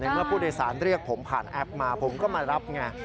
เมื่อผู้โดยสารเรียกผมผ่านแอปมาผมก็มารับไง